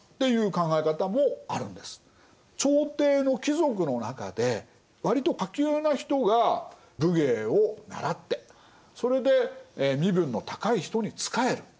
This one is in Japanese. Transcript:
朝廷の貴族の中で割と下級な人が武芸を習ってそれで身分の高い人に仕える。